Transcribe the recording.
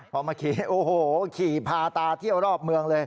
พอมาขี่โอ้โหขี่พาตาเที่ยวรอบเมืองเลย